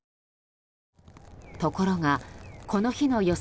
ところが、この日の予想